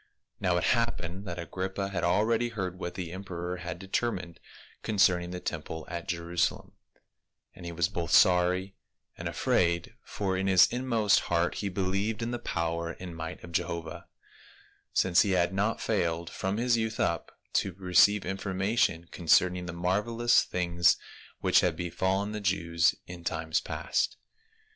Now it happened that Agrippa had already heard what the emperor had determined concerning the temple at Jerusalem, and he was both sorry and afraid, for in his inmost heart he believed in the power and might of Jehovah, since he had not failed from his youth up to receive information concerning the marvel ous things which had befallen the Jews in times past.